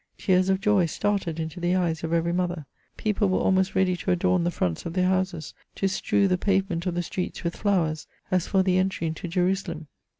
Tears of joy started into the eyes of every mother. People were almost ready to adorn the fronts of their houses, to strew the pavement of the streets with flowers, as for the entry into Jerusalem.